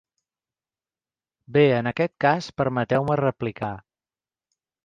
Bé, en aquest cas, permeteu-me replicar.